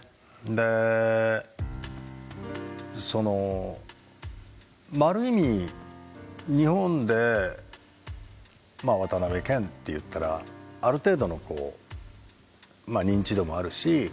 でそのある意味日本で渡辺謙っていったらある程度の認知度もあるし